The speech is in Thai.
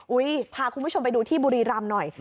อุ้ยพาคุณผู้ชมไปดูที่บุรีรัมน์หน่อย